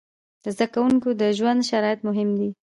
د زده کوونکو د ژوند شرایط مهم دي.